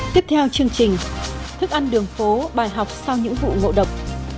tiếp theo chương trình thức ăn đường phố bài học sau những vụ ngộ độc